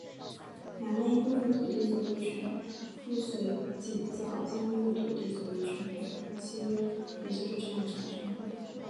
买卖一部分土地所有权附随井灶交易的土地所有权的转让契约也就是这样产生的。